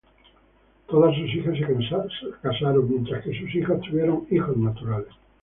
Todas sus hijas se casaron, mientras que sus hijos tuvieron hijos naturales.